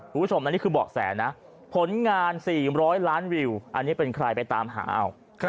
คุณผู้ชมอันนี้คือเบาะแสนะผลงาน๔๐๐ล้านวิวอันนี้เป็นใครไปตามหาเอา